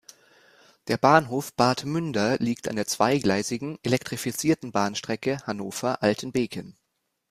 Der Bahnhof Bad Münder liegt an der zweigleisigen, elektrifizierten Bahnstrecke Hannover–Altenbeken.